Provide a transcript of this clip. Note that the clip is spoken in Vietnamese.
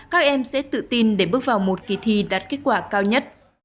các em sẽ tự tin để bước vào một kỳ thi đạt kết quả cao nhất